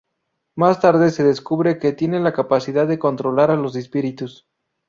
Más tarde se descubre que tiene la capacidad de controlar a los espíritus.